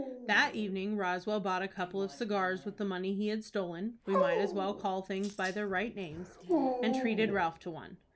That evening Roswell bought a couple of cigars with the money he had stolen (we might as well call things by their right names), and treated Ralph to one.